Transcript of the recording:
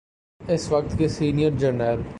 اس وقت کے سینئر جرنیل۔